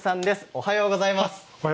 おはようございます。